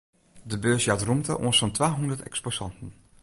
De beurs jout rûmte oan sa'n twahûndert eksposanten.